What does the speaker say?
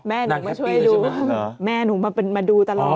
หนูมาช่วยดูแม่หนูมาดูตลอด